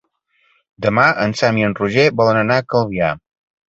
Demà en Sam i en Roger volen anar a Calvià.